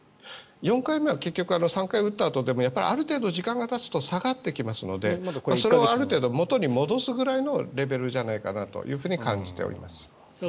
４回目は結局３回目を打ったあとでもある程度、時間がたつと下がってきますのでそれをある程度元に戻すぐらいのレベルじゃないかと考えています。